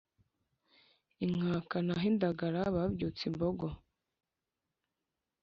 inkaka ntahindagara habyutse imbogo